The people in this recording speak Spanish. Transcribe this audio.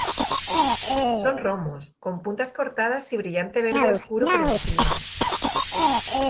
Son romos con puntas cortadas y brillante verde oscuro por encima.